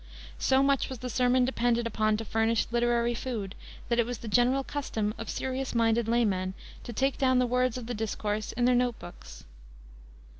So much was the sermon depended upon to furnish literary food that it was the general custom of serious minded laymen to take down the words of the discourse in their note books.